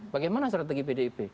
bagaimana strategi pdip